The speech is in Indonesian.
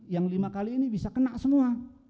yang lima kali ini bisa kena semua